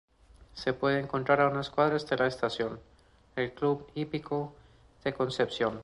Se puede encontrar a unas cuadras de la Estación, el Club Hípico de Concepción.